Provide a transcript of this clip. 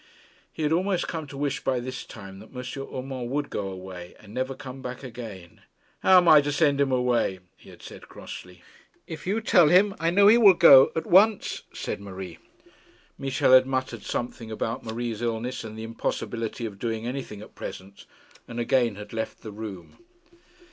He had almost come to wish by this time that M. Urmand would go away and never come back again. 'How am I to send him away?' he had said crossly. 'If you tell him, I know he will go, at once,' said Marie. Michel had muttered something about Marie's illness and the impossibility of doing anything at present, and again had left the room.